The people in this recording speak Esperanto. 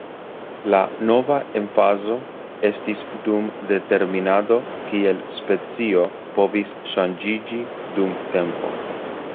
La nova emfazo estis dum determinado kiel specio povis ŝanĝiĝi dum tempo.